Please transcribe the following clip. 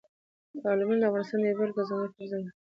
تالابونه د افغانستان یوه بله ځانګړې طبیعي ځانګړتیا ده.